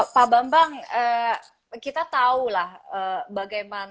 pak bambang kita tahulah bagaimana